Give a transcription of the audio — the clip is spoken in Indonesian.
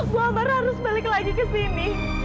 bu ambar harus balik lagi ke sini